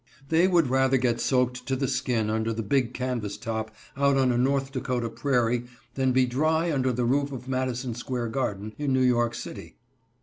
They would rather get soaked to the skin under the "big canvas top" out on a North Dakota prairie than be dry under the roof of Madison Square Garden in New York City.